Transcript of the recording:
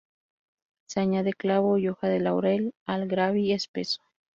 Se añade clavo y hoja de laurel al "gravy" espeso.